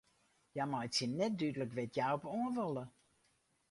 Hja meitsje net dúdlik wêr't hja op oan wolle.